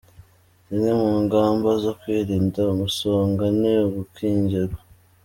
Zimwe mu ngamba zo kwirinda umusonga, ni ugukingirwa,